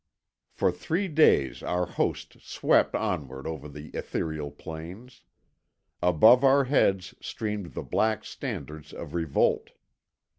For three days our host swept onward over the ethereal plains. Above our heads streamed the black standards of revolt.